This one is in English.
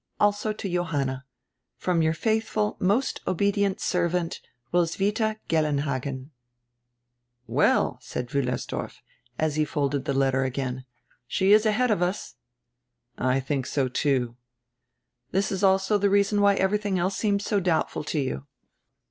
Also to Johanna. From your faitjiful, most obedient servant, Roswitha Gellenhagen." "Well," said Wiillersdorf, as he folded the letter again, "she is ahead of us." "I think so, too." "This is also the reason why everything else seems so doubtful to you."